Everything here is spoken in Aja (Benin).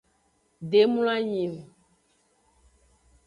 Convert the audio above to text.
De mloanyi.